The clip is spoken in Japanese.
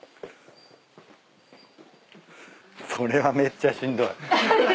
これはめっちゃしんどい。